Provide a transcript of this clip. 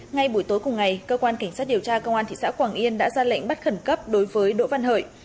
ngay buổi tối cùng ngày cơ quan cảnh sát điều tra công an thị xã quảng yên đã ra lệnh bắt khẩn cấp đối với đỗ văn hợi